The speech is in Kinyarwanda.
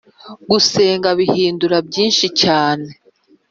Gusenga bihindura byinshi cyane